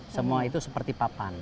semua itu seperti papan